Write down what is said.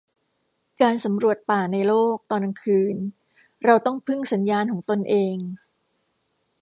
การสำรวจป่าในโลก ตอนกลางคืน เราต้องพึ่งสัญญาณของตนเอง